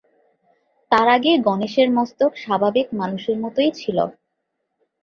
তার আগে গণেশের মস্তক স্বাভাবিক মানুষের মতোই ছিল।